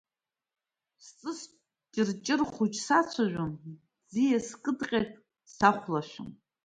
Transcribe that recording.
Сҵыс ҷырҷыр хәыҷ сацәажәон, ӡиас кыдҟьак сахәлашәон.